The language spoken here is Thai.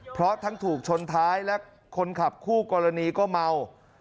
เพราะทั้งถูกชนท้ายและคนขับคู่กรณีก็เมา